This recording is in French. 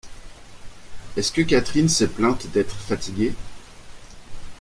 Est-ce que Catherine s’est plainte d’être fatiguée ?